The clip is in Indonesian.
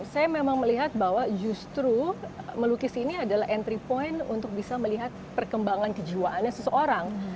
saya memang melihat bahwa justru melukis ini adalah entry point untuk bisa melihat perkembangan kejiwaannya seseorang